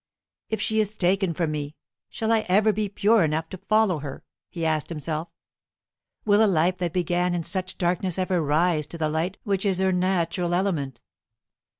"If she is taken from me, shall I ever be pure enough to follow her?" he asked himself. "Will a life that began in such darkness ever rise to the light which is her natural element?